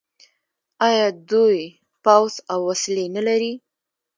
آیا دوی پوځ او وسلې نلري؟